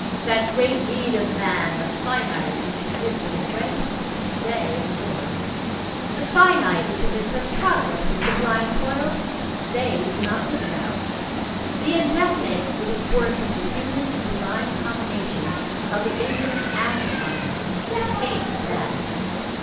That great need of man, the finite, which admits of embrace, they ignore. The finite which admits of progress and sublime toil, they do not think about. The indefinite, which is born from the human and divine combination of the infinite and the finite, escapes them.